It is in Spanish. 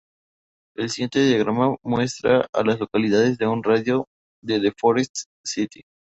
El siguiente diagrama muestra a las localidades en un radio de de Forest City.